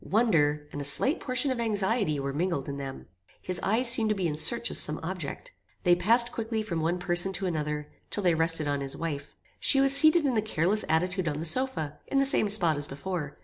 Wonder, and a slight portion of anxiety were mingled in them. His eyes seemed to be in search of some object. They passed quickly from one person to another, till they rested on his wife. She was seated in a careless attitude on the sofa, in the same spot as before.